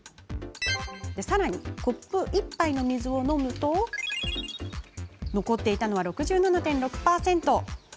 さらに、コップ１杯の水を飲むと残っていたのは６７．６％。